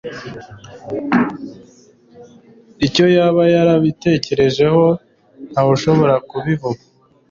icyo yaba yarabitekerejeho, ntawushobora kubivuga